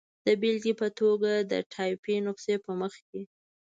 د بېلګې په توګه، د ټایپي نسخې په مخ کې.